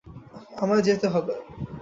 আমায় যেতে হবে।